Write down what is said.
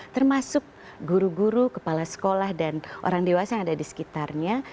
termasuk guru guru kepala sekolah dan orang dewasa yang ada di sekitarnya